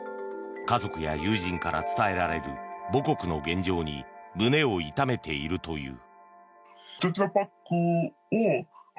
家族や友人から伝えられる母国の現状に胸を痛めているという。